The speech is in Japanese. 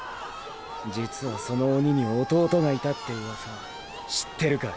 実はその鬼に弟がいたってウワサ知ってるかい？